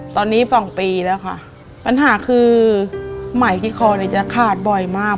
ตอนนี้สองปีแล้วค่ะปัญหาคือใหม่ที่คอเนี่ยจะขาดบ่อยมาก